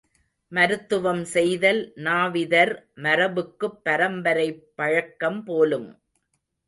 மருத்துவம் செய்தல் நாவிதர் மரபுக்குப் பரம்பரை பழக்கம் போலும்!